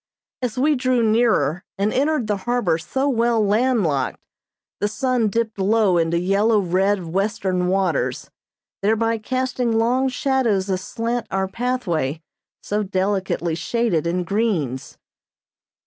As we drew nearer and entered the harbor so well land locked, the sun dipped low into yellow red western waters, thereby casting long shadows aslant our pathway so delicately shaded in greens.